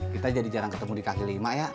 kita jadi jarang ketemu di kahil lima